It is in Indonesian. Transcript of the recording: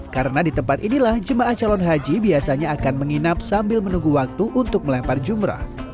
karena di tempat inilah jemaah calon haji biasanya akan menginap sambil menunggu waktu untuk melempar jumrah